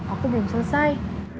aku belum selesai